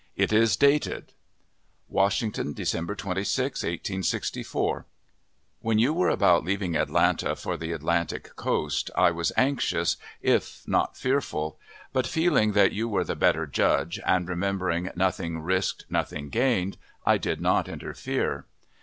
It is dated WASHINGTON, December 26, 1864. When you were about leaving Atlanta for the Atlantic coast, I was anxious, if not fearful; but, feeling that you were the better judge, and remembering "nothing risked, nothing gained," I did not interfere.